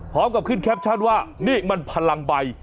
พร้อมกับขึ้นแคปชั่นว่านี่มันพลังใบ